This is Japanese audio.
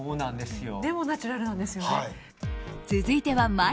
でもナチュラルなんですよね。